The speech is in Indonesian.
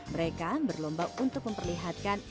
mereka berlomba untuk memperlihatkan